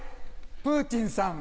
プーチンさん